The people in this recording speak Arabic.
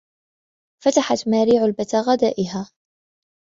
فتحت ماري علبة غذائها.